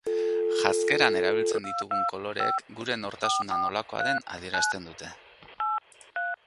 Janzkeran erabiltzen ditugun koloreek gure nortasuna nolakoa den adierazten dute.